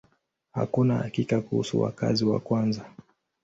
Hakuna hakika kuhusu wakazi wa kwanza.